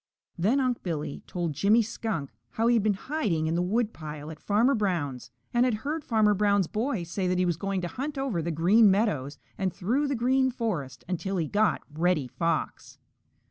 Then Unc' Billy told Jimmy Skunk how he had been hiding in the woodpile at Farmer Brown's and had heard Farmer Brown's boy say that he was going to hunt over the Green Meadows and through the Green Forest until he got Reddy Fox.